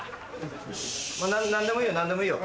何でもいいよ何でもいいよ。